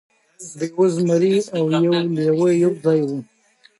یو زمری او یو لیوه یو ځای وو.